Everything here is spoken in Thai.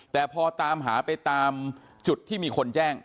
แต่พอตามหาไปตามจุดที่มีคนแจ้ง